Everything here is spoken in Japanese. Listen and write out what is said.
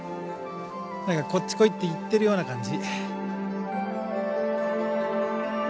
何か「こっち来い」って言ってるような感じ。